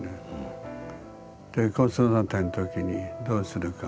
で子育ての時にどうするか。